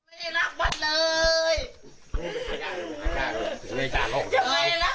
ดนไตรรักมันแม่รักมันเหมือนพี่แบบน้อง